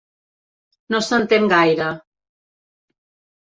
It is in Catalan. No s'entén gaire.